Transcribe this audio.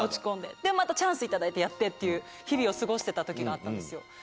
またチャンス頂いてやってっていう日々を過ごしてた時があったんですよ。